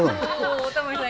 おタモリさん